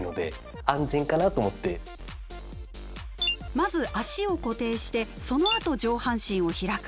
まず足を固定してそのあと上半身を開く。